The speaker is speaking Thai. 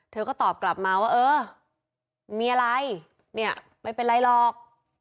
เธอก็ตอบกลับมาว่ามีอะไรไม่เป็นไรหรอก